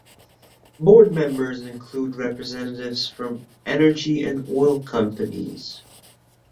Board members include representatives from energy and oil companies.